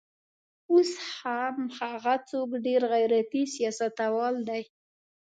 اوس هم هغه څوک ډېر غیرتي سیاستوال دی.